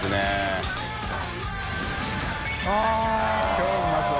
超うまそう。